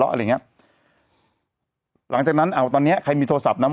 อะไรอย่างเงี้ยหลังจากนั้นอ่าตอนเนี้ยใครมีโทรศัพท์นะ